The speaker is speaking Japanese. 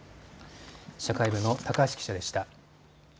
社会部の高橋記者でした。